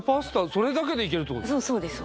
それだけでいけるってことそうそうです